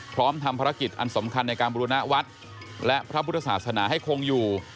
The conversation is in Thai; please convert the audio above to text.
พร้อมทำภารกิจอันสำคัญในการบุรณวัดและพระพุทธศาสนาให้คงอยู่